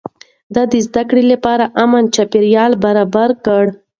ده د زده کړې لپاره امن چاپېريال برابر کړ.